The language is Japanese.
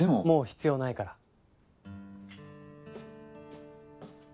もう必要ないから。